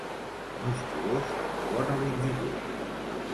Musculós, de bona longitud.